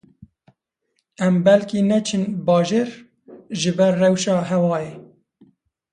Em belkî neçin bajêr jiber rewşa hewayê